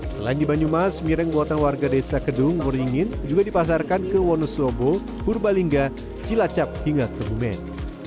selain di banyumas mie yang dibuat warga desa kedung muringin juga dipasarkan ke wonosobo purbalingga cilacap hingga kebumen